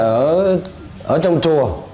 ở trong chùa